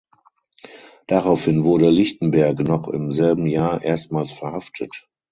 Daraufhin wurde Lichtenberg noch im selben Jahr erstmals verhaftet.